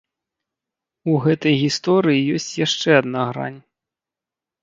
У гэтай гісторыі ёсць яшчэ адна грань.